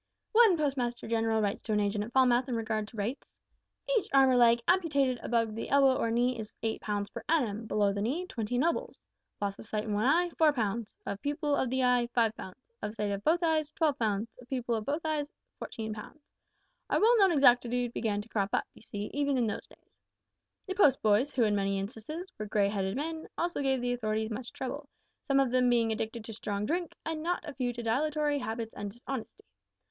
One Postmaster General writes to an agent at Falmouth in regard to rates: `Each arm or leg amputated above the elbow or knee is 8 pounds per annum; below the knee, 20 nobles. Loss of sight of one eye, 4 pounds; of pupil of the eye, 5 pounds; of sight of both eyes, 12 pounds; of pupils of both eyes, 14 pounds.' Our well known exactitude began to crop up, you see, even in those days. "The post boys who in many instances were grey headed men also gave the authorities much trouble, many of them being addicted to strong drink, and not a few to dilatory habits and dishonesty.